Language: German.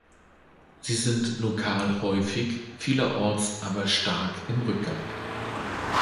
Sie sind lokal häufig, vielerorts aber stark im Rückgang.